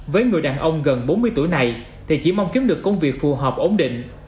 với người đàn ông gần bốn mươi tuổi này thì chỉ mong kiếm được công việc phù hợp ổn định